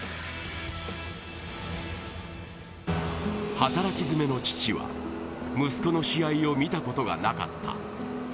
働きづめの父は、息子の試合を見たことがなかった。